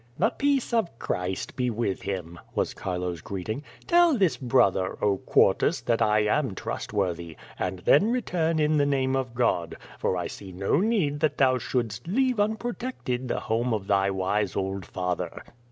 '* The peace of Christ be with him,*' was Chilo's greeting. Tell this brother. Oh, Quartus, that I am trustworthy, and then return in the name of God, for I see no need that thou shouldst leave unprotected the home of thy wise old father."